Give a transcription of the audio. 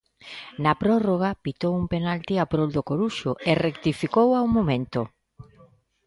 Na prórroga, pitou un penalti a prol do Coruxo e rectificou ao momento.